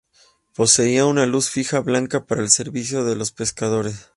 Poseía una luz fija, blanca, para el servicio de los pescadores.